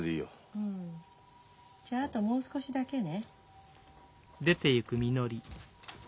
うんじゃあともう少しだけね。